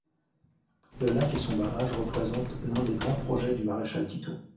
Le lac et son barrage représentent l'un des grands projets du Maréchal Tito.